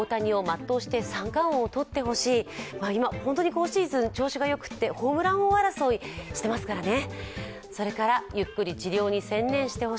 今シーズン調子がよくてホームラン争いしてますからね。